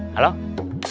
kalau sholat idul fitri